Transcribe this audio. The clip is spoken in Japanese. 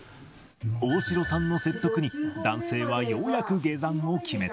大城さんの説得に、男性はようやく下山を決めた。